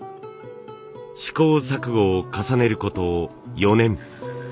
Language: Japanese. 試行錯誤を重ねること４年。